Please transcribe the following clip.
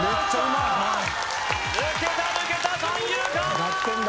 抜けた抜けた三遊間！